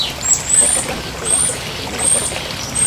To je opravdu velmi znepokojivé, protože označení nezaručuje bezpečnost.